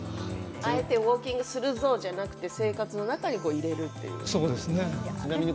あえてウォーキングをするぞ、じゃなくて生活の中に取り入れていく。